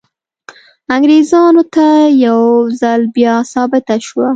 انګریزانو ته یو ځل بیا ثابته شوه.